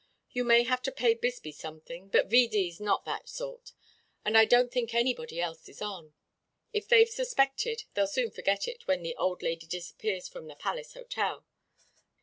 You may have to pay Bisbee something, but D. V.'s not that sort, and I don't think anybody else is on. If they've suspected they'll soon forget it when the old lady disappears from the Palace Hotel.